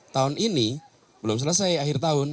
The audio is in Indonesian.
tahun ini belum selesai akhir tahun